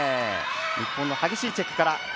日本の激しいチェック。